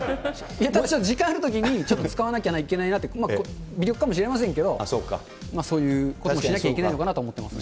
時間あるときに、ちょっと使わなきゃいけないなって、微力かもしれませんけれども、そういうことをしなきゃいけないのかなと思ってます。